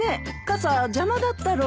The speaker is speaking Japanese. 傘邪魔だったろ？